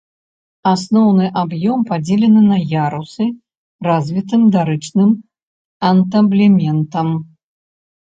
Асноўны аб'ём падзелены на ярусы развітым дарычным антаблементам.